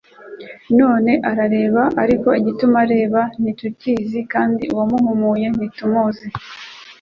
none arareba, ariko igituma areba ntitukizi, kandi uwamuhumuye ntitumuzi.